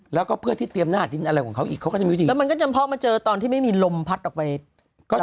แล้วก็เมื่อที่เตรียมสื่อจริงอะไรของเขาอีกไม่เจอตอนที่ไม่มีลมพัดออกไป